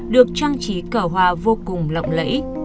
được trang trí cờ hoa vô cùng lộng lẫy